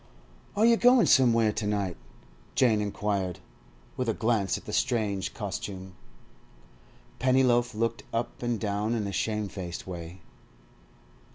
'Are you going somewhere to night?' Jane inquired, with a glance at the strange costume. Pennyloaf looked up and down in a shamefaced way.